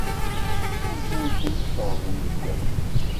D acu ay ken-iceɣben deg waya?